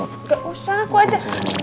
gak usah aku aja